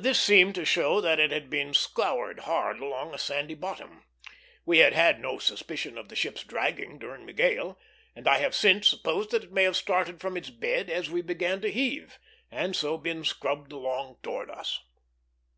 This seemed to show that it had been scoured hard along a sandy bottom. We had had no suspicion of the ship's dragging during the gale, and I have since supposed that it may have started from its bed as we began to heave, and so been scrubbed along towards us.